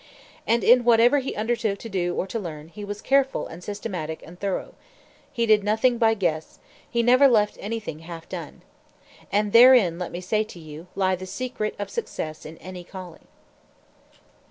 And in whatever he undertook to do or to learn, he was careful and systematic and thorough. He did nothing by guess; he never left anything half done. And therein, let me say to you, lie the secrets of success in any calling.